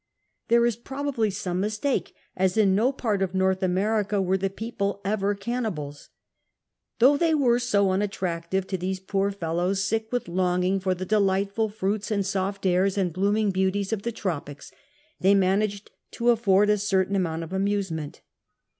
There is probably some mistake, as in no part of North America were the people ever cannil)als. Though they were so unattract ive to these poor fellows, sick with longing for the delightful fruits and soft airs and blooming beauties of the tropics, they managed to afford a certain amount of amusement.